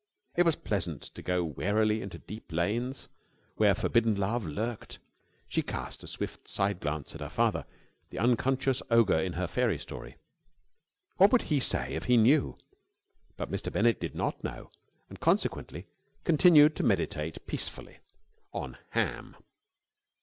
It was pleasant to go warily into deep lanes where forbidden love lurked. She cast a swift side glance at her father the unconscious ogre in her fairy story. What would he say if he knew? But Mr. Bennett did not know, and consequently continued to meditate peacefully on ham.